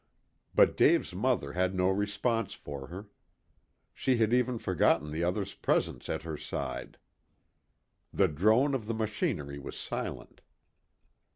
But Dave's mother had no response for her. She had even forgotten the other's presence at her side. The drone of the machinery was silent.